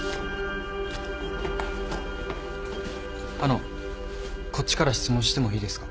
あのこっちから質問してもいいですか？